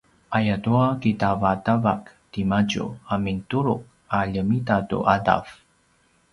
ayatua kitavatavak timadju a mintulu’ a ljemita tu ’adav